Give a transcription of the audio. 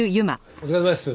お疲れさまです。